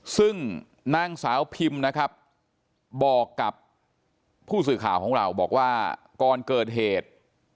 ซึ่งนางสาวพิมนะครับบอกกับผู้สื่อข่าวของเราบอกว่าก่อนเกิดเหตุ